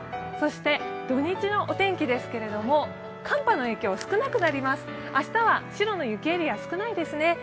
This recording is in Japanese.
そして土日のお天気ですけど寒波の影響、少なくなります、明日は白の雪エリア少ないですね。